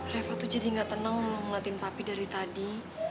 reva tuh jadi gak tenang ngeliatin papi dari tadi